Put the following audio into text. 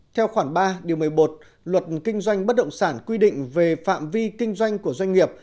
theo khoản ba điều một mươi một luật kinh doanh bất động sản quy định về phạm vi kinh doanh của doanh nghiệp